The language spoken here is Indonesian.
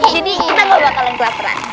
jadi kita gak bakalan kelaparan